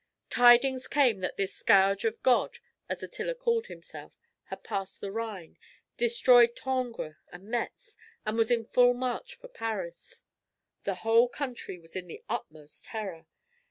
Tidings came that this "Scourge of God," as Attila called himself, had passed the Rhine, destroyed Tongres and Metz, and was in full march for Paris. The whole country was in the utmost terror.